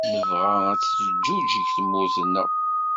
Nebɣa ad teǧǧuǧeg tmurt-nneɣ.